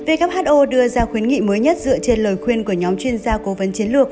who đưa ra khuyến nghị mới nhất dựa trên lời khuyên của nhóm chuyên gia cố vấn chiến lược